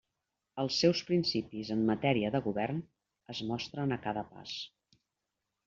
Els seus principis en matèria de govern es mostren a cada pas.